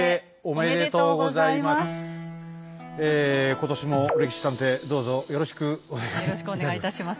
今年も「歴史探偵」どうぞよろしくお願いいたします。